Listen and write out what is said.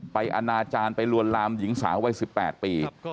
อนาจารย์ไปลวนลามหญิงสาววัย๑๘ปี